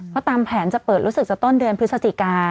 เพราะตามแผนจะเปิดรู้สึกจะต้นเดือนพฤศจิกา